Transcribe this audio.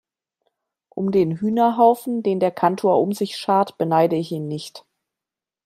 Um den Hühnerhaufen, den der Kantor um sich schart, beneide ich ihn nicht.